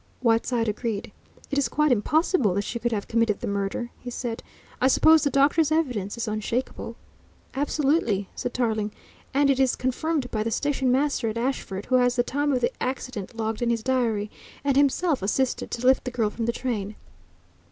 Whiteside agreed. "It is quite impossible that she could have committed the murder," he said. "I suppose the doctor's evidence is unshakable?" "Absolutely," said Tarling, "and it is confirmed by the station master at Ashford, who has the time of the accident logged in his diary, and himself assisted to lift the girl from the train."